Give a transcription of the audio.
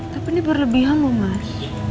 tapi ini berlebihan mas